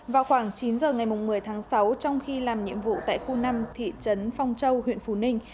vào khoảng chín giờ ngày một mươi tháng sáu trong khi làm nhiệm vụ tại khu năm thị trấn phong châu huyện phù ninh